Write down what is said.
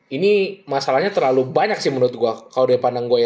ini masalahnya terlalu banyak sih menurut gua kalo dari pandang gua ya